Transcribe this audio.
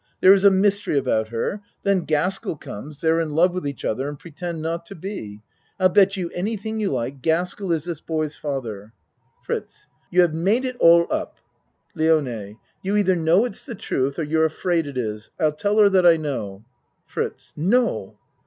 There is a mystery about her then Gaskell comes they're in love with each other and pretend not to be. I'll bet any thing you like, Gaskell is this boy's father. ACT II 55 FRITZ You have made it all up. LIONE You either know it's the truth or you're afraid it is. I'll tell her that I know. FRITZ No.